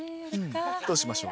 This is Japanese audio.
どうしましょう？